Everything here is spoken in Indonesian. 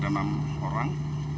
ada enam orang